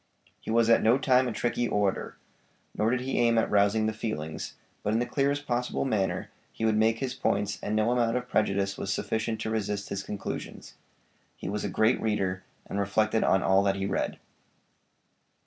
He was at no time a tricky orator, nor did he aim at rousing the feelings, but in the clearest possible manner he would make his points and no amount of prejudice was sufficient to resist his conclusions. He was a great reader, and reflected on all that he read.